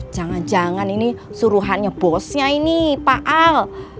jangan jangan ini suruhannya bosnya ini pak al